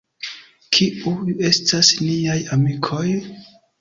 Kiuj estas niaj amikoj?